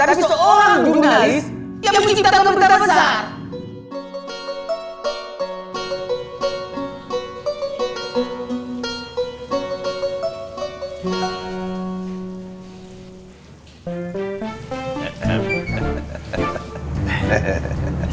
tapi seorang jurnalis yang menciptakan berita besar